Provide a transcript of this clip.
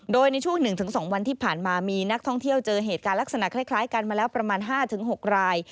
โดยในช่วง๑๒วันที่ผ่านมามีนักท่องเที่ยวเจอเหตุการณ์ลักษณะคล้ายกันมาแล้วประมาณ๕๖ราย